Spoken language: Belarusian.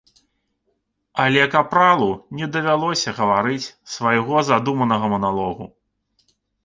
Але капралу не давялося гаварыць свайго задуманага маналогу.